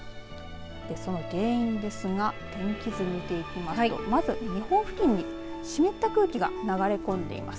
その原因ですが天気図見ていきますとまず日本付近に湿った空気が流れ込んでいます。